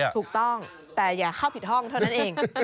ถูกต้องแต่อย่าเข้าผิดห้องเท่านั้นเอง